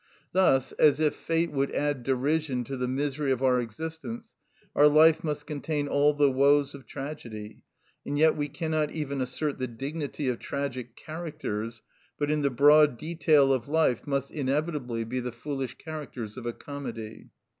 Thus, as if fate would add derision to the misery of our existence, our life must contain all the woes of tragedy, and yet we cannot even assert the dignity of tragic characters, but in the broad detail of life must inevitably be the foolish characters of a comedy.